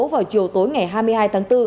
vào chiều tối ngày hai mươi hai tháng bốn